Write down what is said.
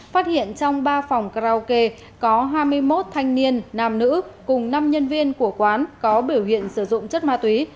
phát hiện trong ba phòng karaoke có hai mươi một thanh niên nam nữ cùng năm nhân viên của quán có biểu hiện sử dụng chất ma túy